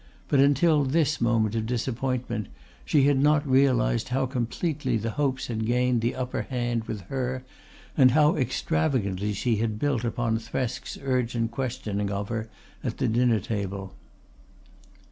But until this moment of disappointment she had not realised how completely the hopes had gained the upper hand with her and how extravagantly she had built upon Thresk's urgent questioning of her at the dinner table.